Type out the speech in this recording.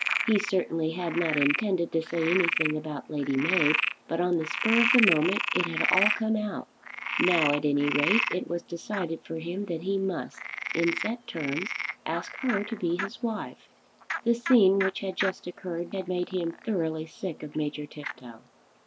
He certainly had not intended to say anything about Lady Mab, but on the spur of the moment it had all come out. Now at any rate it was decided for him that he must, in set terms, ask her to be his wife. The scene which had just occurred had made him thoroughly sick of Major Tifto.